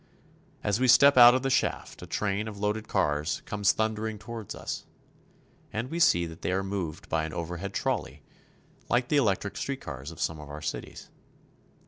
As we step out of the shaft a train of loaded cars comes thundering toward us, and we see that they are moved by an overhead trolley like the electric street cars of some of our cities.